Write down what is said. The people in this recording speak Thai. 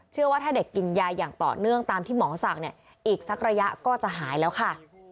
ว่าถ้าเด็กกินยาอย่างต่อเนื่องตามที่หมอสั่งเนี่ยอีกสักระยะก็จะหายแล้วค่ะ